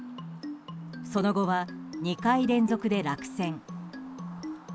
その後は２回連続で落選。